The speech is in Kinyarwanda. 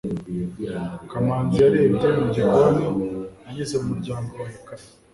kamanzi yarebye mu gikoni anyuze mu muryango wa ecran